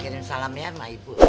kirim salam ya sama ibu